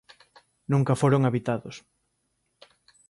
Nunca foron habitados.